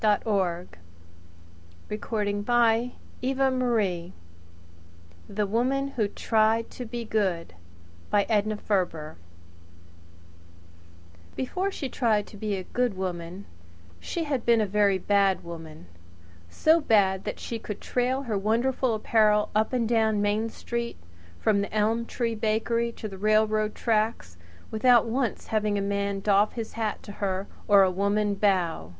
And you'll feel better." VI THE WOMAN WHO TRIED TO BE GOOD Before she tried to be a good woman she had been a very bad woman so bad that she could trail her wonderful apparel up and down Main Street, from the Elm Tree Bakery to the railroad tracks, without once having a man doff his hat to her or a woman bow.